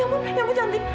ya ampun ya ampun cantik